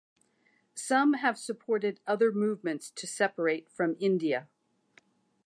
Some have supported other movements to separate from India.